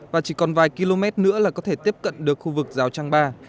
và chỉ còn vài km nữa là có thể tiếp cận được khu vực giao trang ba